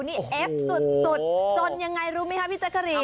เนี่ยเอ๊ะสุดจนยังไงรู้มั้ยคะพี่จักรีน